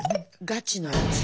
ガチのやつ。